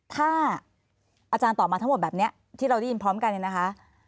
ถ้าอาจารย์ตอบมาทั้งหมดแบบนี้ที่เราได้ยินพร้อมกันเนี่ยนะคะ